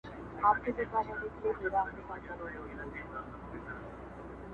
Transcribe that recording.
خدایه برخه در څه غواړمه درنه پر بل جهان زه,